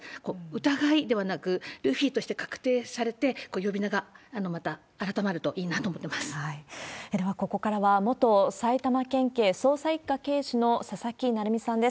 疑いではなく、ルフィとして確定されて、呼び名がまた改まるといいなと思ってまでは、ここからは元埼玉県警捜査一課刑事の佐々木成三さんです。